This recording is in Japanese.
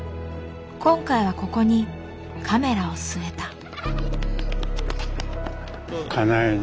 今回はここにカメラを据えた。